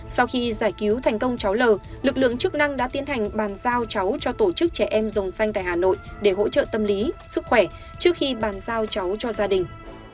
sau khi giải cứu thành công cháu l lực lượng chức năng đã tiến hành bàn giao cháu cho tổ chức trẻ em rồng xanh tại hà nội để hỗ trợ tâm lý sức khỏe trước khi bàn giao cháu cho gia đình